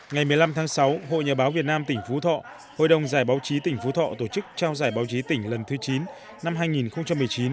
ngày một mươi năm tháng sáu hội nhà báo việt nam tỉnh phú thọ hội đồng giải báo chí tỉnh phú thọ tổ chức trao giải báo chí tỉnh lần thứ chín năm hai nghìn một mươi chín